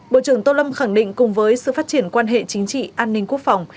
bộ trưởng tô lâm khẳng định cùng với sự phát triển quan hệ chính trị an ninh quốc phòng